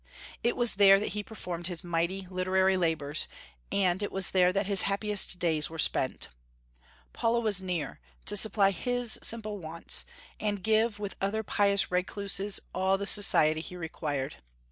It was there that he performed his mighty literary labors, and it was there that his happiest days were spent. Paula was near, to supply his simple wants, and give, with other pious recluses, all the society he required.